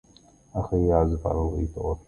أخي يعزف على الغيتار.